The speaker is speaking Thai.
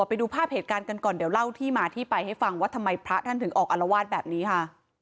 ไปดูภาพเหตุการณ์กันก่อนเดี๋ยวเล่าที่มาที่ไปให้ฟังว่าทำไมพระท่านถึงออกอารวาสแบบนี้ค่ะ